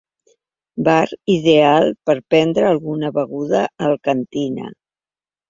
Bar ideal per prendre alguna beguda alcantina.